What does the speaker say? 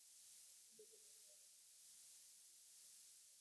chambua matembele yako kisha osha